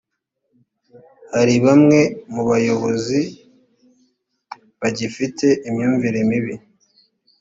hari bamwe mu bayobozi bagifite imyumvire mibi.